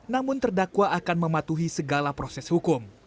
namun terdakwa akan mematuhi segala proses hukum